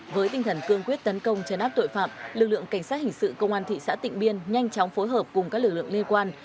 với tinh thần cương quyết tấn công chấn áp tội phạm lực lượng cảnh sát hình sự công an thị xã tịnh biên nhanh chóng phối hợp cùng các lực lượng liên quan